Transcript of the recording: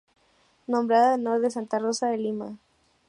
Nombrada en honor de Santa Rosa de Lima.